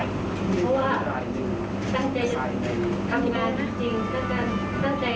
ที่ทำให้เจ้าคนมองว่าจานเป็นคนอันตราย